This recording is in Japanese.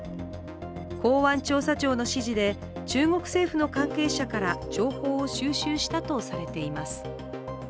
公安調査庁の指示で中国政府の関係者から情報を収集したとされています。